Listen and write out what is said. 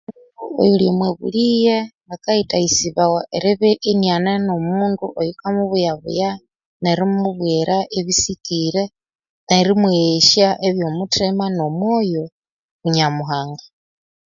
Oyuli omwa bulighe akayithaghisibawa eribya inabya inane no omundu oyuka mubuyabuya nerimubwira ebisikire nerimweghesya ebyo omuthima nomwoyo oku Nyamuhanga.